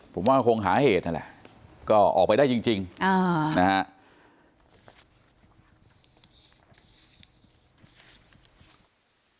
ผมว่าคงหาเหตุนั่นแหละก็ออกไปได้จริงนะฮะ